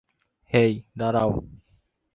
হেই, দাঁড়াও।